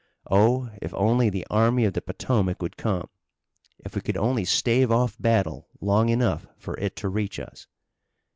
Oh, if only the Army of the Potomac would come! If we could only stave off battle long enough for it to reach us!"